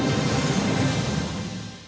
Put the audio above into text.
xin chào và hẹn gặp lại